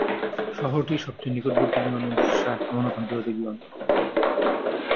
শহরটির সবচেয়ে নিকটবর্তী বিমানবন্দর শাহ আমানত আন্তর্জাতিক বিমানবন্দর।